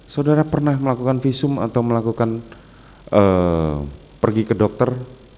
saudara pernah melakukan visum atau melakukan pergi ke dokter